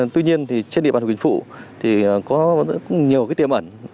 tuy nhiên trên địa bàn huyện quỳnh phụ thì có nhiều tiềm ẩn